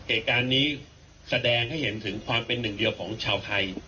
เหตุการณ์นี้แสดงให้เห็นถึงความเป็นหนึ่งเดียวของชาวไทย